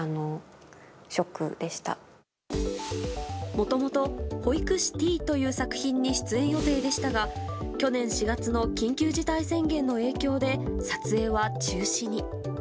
もともと「保育士Ｔ」という作品に出演予定でしたが去年４月の緊急事態宣言の影響で撮影は中止に。